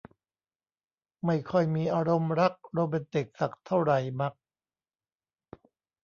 ไม่ค่อยมีอารมณ์รักโรแมนติกสักเท่าไหร่มัก